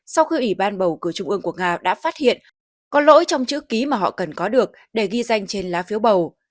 sau khi ủy ban bầu cử trung ương của nga đã phát hiện có lỗi trong chữ ký mà họ cần có được để ghi danh trên lá phiếu bầu